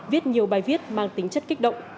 viết nhiều bài viết mang tính chất kích động